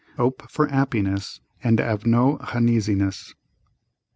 'Ope for 'appiness and 'ave no huneasiness."